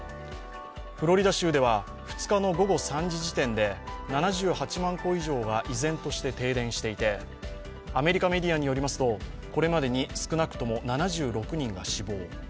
フロリダ州では２日の午後３時時点で７３万戸以上が依然として停電していて、アメリカメディアによりますとこれまでに少なくとも７６人が死亡。